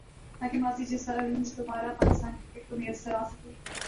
تاکہ ماضی جیسا عروج دوبارہ پاکستان کرکٹ کو میسر آ سکے